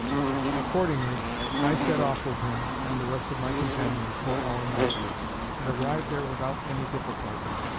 Accordingly I set off with him and the rest of my companions for our master's, and arrived there without any difficulty.